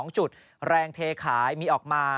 ๑๕๓๗๔๒จุดแรงเทขายมีออกมา